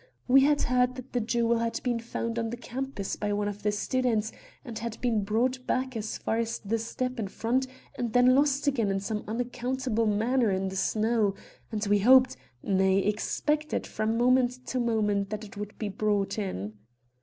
We had heard that the jewel had been found on the campus by one of the students and had been brought back as far as the step in front and then lost again in some unaccountable manner in the snow, and we hoped, nay expected from moment to moment, that it would be brought in.